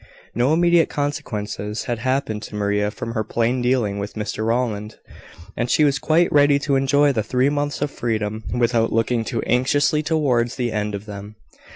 No immediate consequences had happened to Maria from her plain dealing with Mr Rowland; and she was quite ready to enjoy the three months of freedom, without looking too anxiously towards the end of them.